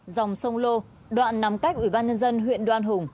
dòng sông lô đoạn nằm cách ủy ban nhân dân huyện đoan hùng